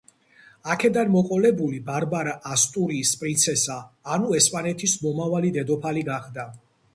აქედან მოყოლებული ბარბარა ასტურიის პრინცესა, ანუ ესპანეთის მომავალი დედოფალი გახდა.